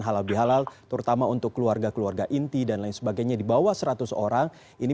halal bihalal terutama untuk keluarga keluarga inti dan lain sebagainya di bawah seratus orang ini